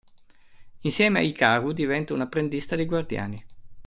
Insieme a Hikaru, diventa una apprendista dei Guardiani.